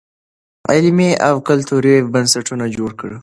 علمي او کلتوري بنسټونه جوړ کړو.